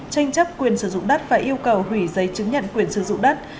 tranh chấp quyền sử dụng đất và yêu cầu hủy giấy chứng nhận quyền sử dụng đất